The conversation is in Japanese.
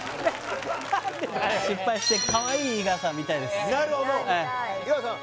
失敗してかわいい井川さん見たいです井川さん